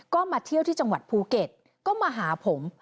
ก็มาเที่ยวที่จังหวัดภูเก็ตก็มาหาผม